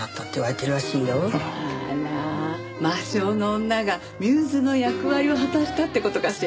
あら魔性の女がミューズの役割を果たしたって事かしら。